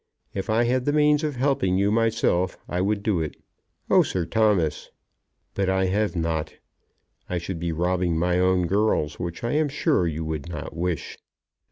If I had the means of helping you myself, I would do it." "Oh, Sir Thomas!" "But I have not. I should be robbing my own girls, which I am sure you would not wish."